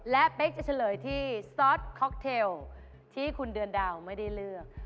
และเป๊กจะเฉลยที่สตอสค็อกเทลที่คุณเดือนดาวไม่ได้เลือก